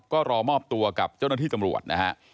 ก็รอมอบตัวกับเจ้าหน้าที่ตำรวจนะฮะ